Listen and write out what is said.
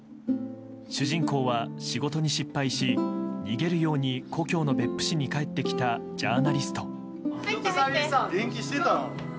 主人公は仕事に失敗し逃げるように故郷の別府市に帰ってきたジャーナリスト。